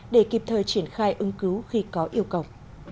để kịp thời triển khai ứng cứu khi có yêu cầu